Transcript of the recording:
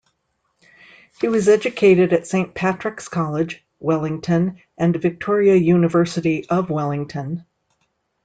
He was educated at Saint Patrick's College, Wellington and Victoria University of Wellington.